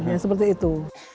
ya seperti itu